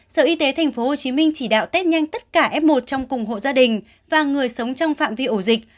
sở y tế tp hcm chỉ đạo test nhanh tất cả f một trong cùng hộ gia đình và người sống trong phạm vi ổ dịch